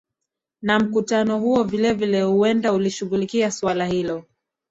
na mkutano huo vile vile huenda ulishughulikia suala hilo